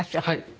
はい。